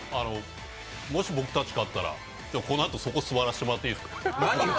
もし僕たち勝ったら、今日このあとそこ座らせてもらっていいですか。